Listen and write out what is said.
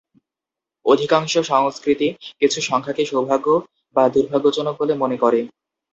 অধিকাংশ সংস্কৃতি কিছু সংখ্যাকে সৌভাগ্য বা দুর্ভাগ্যজনক বলে মনে করে।